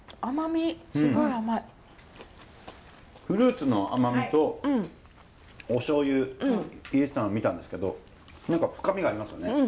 フルーツの甘みとおしょう油入れてたのを見たんですけど何か深みがありますよね。